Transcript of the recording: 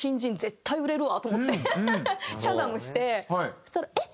そしたらえっ！